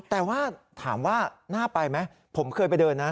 แต่ว่าถามว่าน่าไปไหมผมเคยไปเดินนะ